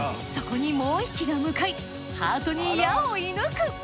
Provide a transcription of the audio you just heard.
そこにもう１機が向かいハートに矢を射抜く！